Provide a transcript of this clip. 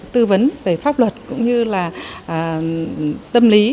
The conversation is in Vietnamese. tư vấn về pháp luật cũng như là tâm lý